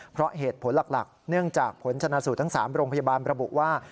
เพราะเหตุผลหลักเนื่องจากผลชนะสูตรทั้ง๓โรงพยาบาลระบุว่า